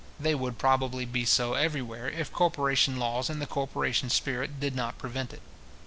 They would probably be so everywhere, if corporation laws and the corporation spirit did not prevent it.